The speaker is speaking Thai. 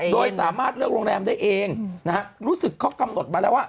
โดยสามารถเลือกโรงแรมได้เองนะฮะรู้สึกเขากำหนดมาแล้วว่า